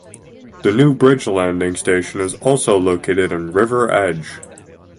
The New Bridge Landing station is also located in River Edge.